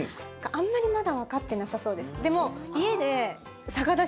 あんまりまだわかってなさそうです。